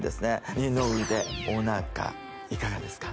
二の腕おなかいかがですか？